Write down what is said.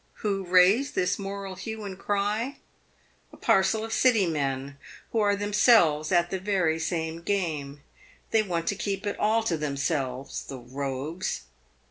Who raised this moral hue and cry ? A parcel of City men, who are themselves at the very same game. They want to keep it all to themselves — the rogues.